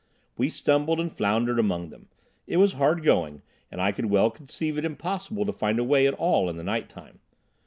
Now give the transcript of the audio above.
We stumbled and floundered among them. It was hard going, and I could well conceive it impossible to find a way at all in the night time.